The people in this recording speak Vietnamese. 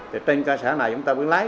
thì trên các xã này chúng ta vừa lái